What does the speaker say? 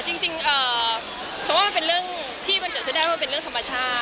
จริงฉันว่ามันเป็นเรื่องที่มันเกิดขึ้นได้มันเป็นเรื่องธรรมชาติ